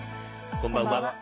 こんばんは。